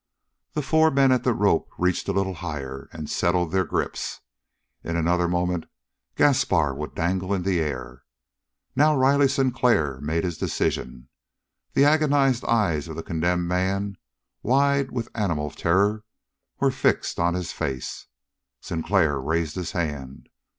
The four men at the rope reached a little higher and settled their grips. In another moment Gaspar would dangle in the air. Now Riley Sinclair made his decision. The agonized eyes of the condemned man, wide with animal terror, were fixed on his face. Sinclair raised his hand.